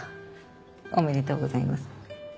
おめでとうございます。